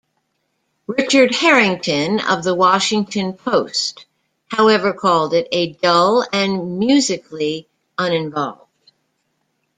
'" Richard Harrington of "The Washington Post", however, called it "dull and musically uninvolved.